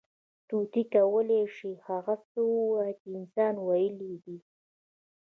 طوطي کولی شي، هغه څه ووایي، چې انسان ویلي دي.